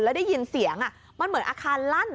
แล้วได้ยินเสียงมันเหมือนอาคารลั่น